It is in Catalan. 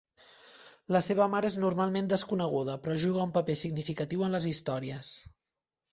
La seva mare és normalment desconeguda, però juga un paper significatiu en les històries.